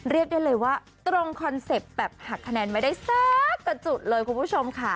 เรียกได้เลยว่าตรงคอนเซ็ปต์แบบหักคะแนนไม่ได้สักกับจุดเลยคุณผู้ชมค่ะ